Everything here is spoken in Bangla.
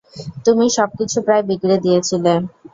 তুমি সবকিছু প্রায় বিগড়ে দিয়েছিলে।